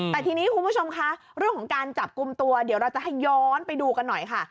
แต่ทีนี้คุณผู้ชมคะเรื่องของการจับกลุ่มตัวเดี๋ยวเราจะให้ย้อนไปดูกันหน่อยค่ะ